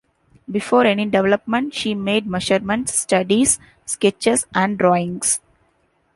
Before any development, she made measurements, studies, sketches and drawings.